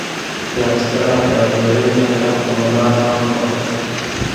يوه ستره امپراتورۍ دلته په ملا خم شوه